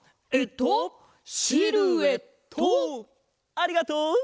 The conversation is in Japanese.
ありがとう！